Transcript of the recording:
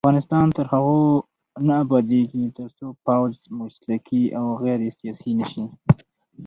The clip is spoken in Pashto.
افغانستان تر هغو نه ابادیږي، ترڅو پوځ مسلکي او غیر سیاسي نشي.